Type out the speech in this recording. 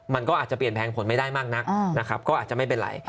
มันก็อาจจะเปลี่ยนแพงผลไม่ได้มากนักนะครับก็อาจจะไม่เป็นไร